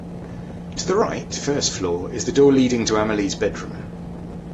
To the right, first floor, is the door leading to Amélie’s bedroom.